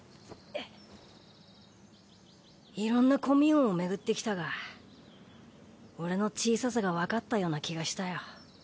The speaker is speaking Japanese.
いろんなコミューンを巡ってきたが俺の小ささがわかったような気がしたよ。